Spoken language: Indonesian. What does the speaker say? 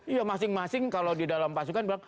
iya masing masing kalau di dalam pasukan bilang